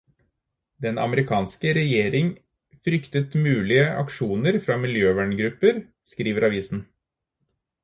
Den amerikanske regjering fryktet mulige aksjoner fra miljøverngrupper, skriver avisen.